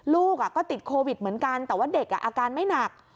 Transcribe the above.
ลูกก็ติดโควิดเหมือนกันแต่ว่าเด็กอาการไม่หนัก